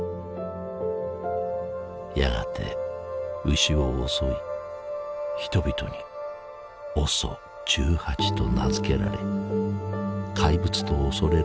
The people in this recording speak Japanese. やがて牛を襲い人々に「ＯＳＯ１８」と名付けられ怪物と恐れられるようになった。